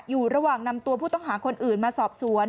อยู่ระหว่างนำตัวผู้ต้องหาคนอื่นมาสอบสวน